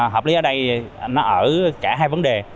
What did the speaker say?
hợp lý ở đây nó ở cả hai vấn đề